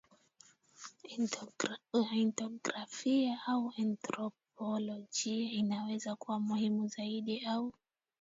ethnografia au anthropolojia inaweza kuwa muhimu zaidi au